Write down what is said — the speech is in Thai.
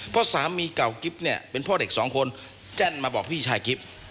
เพราะสามีเก่ากิ๊บเนี่ยเป็นพ่อเด็กสองคนแจ้นมาบอกพี่ชายกิฟต์